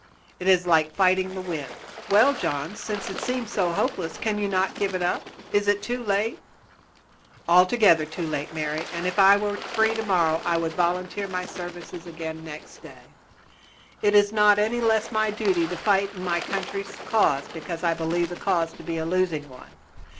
It is like fighting the wind." "Well, John, since it seems so hopeless, cannot you give it up? Is it too late?" "Altogether too late, Mary, and if I were free tomorrow I would volunteer my services again next day. It is not any the less my duty to fight in my country's cause because I believe the cause to be a losing one.